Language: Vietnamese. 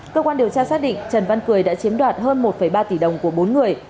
cơ quan điều tra xác định trần văn cười đã chiếm đoạt hơn một ba tỷ đồng của bốn người